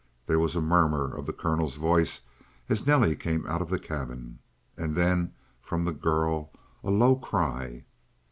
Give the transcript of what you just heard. There was a murmur of the colonel's voice as Nelly came out of the cabin. And then, from the girl, a low cry.